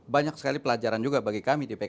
banyak sekali pelajaran juga bagi kami di pks